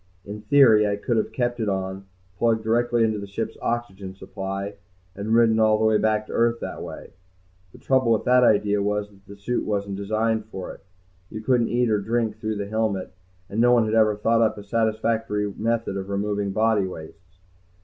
In theory I could have kept it on, plugged directly into the ship's oxygen supply, and ridden all the way back to Earth that way. The trouble with that idea was that the suit wasn't designed for it. You couldn't eat or drink through the helmet, and no one had ever thought up a satisfactory method of removing body wastes.